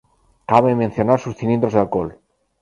Cabe mencionar sus cilindros de alcohol.